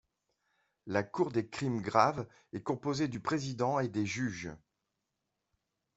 La Cour des crimes graves est composée du président et des juges.